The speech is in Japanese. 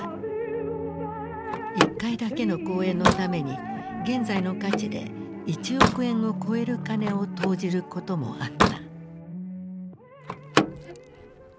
１回だけの公演のために現在の価値で１億円を超える金を投じることもあった。